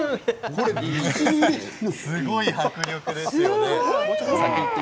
すごい迫力ですよね。